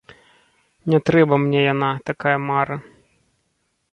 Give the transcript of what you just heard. Не трэба мне яна, такая мара.